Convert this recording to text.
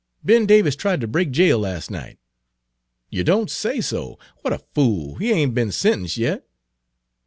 "Ben Davis tried ter break jail las' night." "You don't say so! What a fool! He ain't be'n sentenced yit."